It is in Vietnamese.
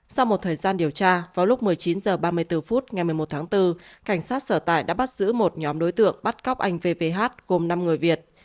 sau một thời gian điều tra vào lúc một mươi chín h ba mươi bốn phút ngày một mươi một tháng bốn cảnh sát sở tại đã bắt giữ một nhóm đối tượng bắt cóc anh vvh gồm năm người việt